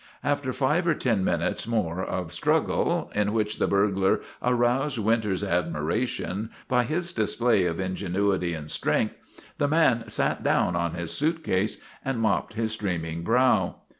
After five or ten minutes more of struggle, in which the burglar aroused Winter's admiration by his display of ingenuity and strength, the man sat down on his suitcase and mopped his streaming brow.